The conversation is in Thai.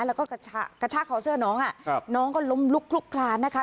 แล้วก็กระชากคอเสื้อน้องน้องก็ล้มลุกลุกคลานนะคะ